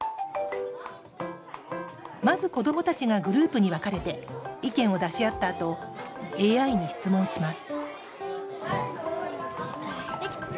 まず子どもたちがグループに分かれて意見を出し合ったあとＡＩに質問します